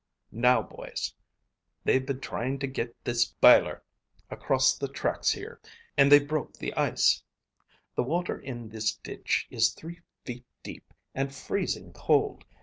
Now, boys, they've been trying to get this biler across the tracks here, and they've broke the ice. The water in this ditch is three feet deep and freezing cold.